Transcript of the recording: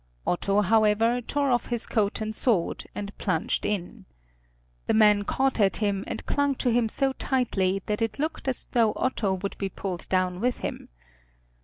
Otto, however, tore off his coat and sword, and plunged in. The man caught at him, and clung to him so tightly that it looked as though Otto would be pulled down with him.